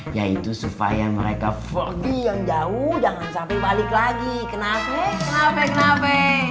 yaitu supaya mereka pergi yang jauh jangan sampai balik lagi kenapa kenapa kenapa